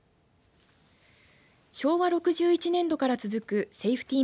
昭和６１年度から続くセイフティー